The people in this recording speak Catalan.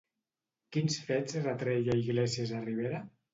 Quins fets retreia Iglesias a Rivera?